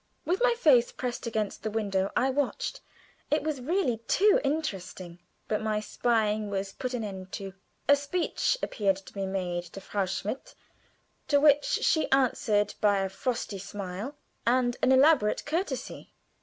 With my face pressed against the window I watched; it was really too interesting. But my spying was put an end to. A speech appeared to be made to Frau Schmidt, to which she answered by a frosty smile and an elaborate courtesy.